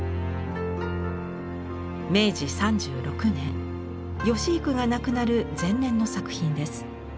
明治３６年芳幾が亡くなる前年の作品です。